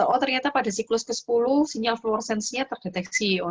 oh ternyata pada siklus ke sepuluh sinyal flowersensinya terdeteksi